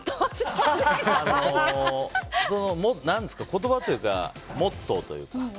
言葉というかモットーというか。